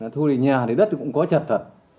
thu lịch nhà thì đất cũng có chặt thật